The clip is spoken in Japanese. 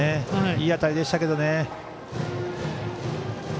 いい当たりでしたけどね。